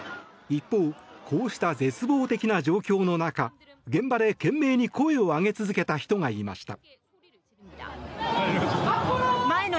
一方、こうした絶望的な状況の中現場で懸命に声を上げ続けた人がいました。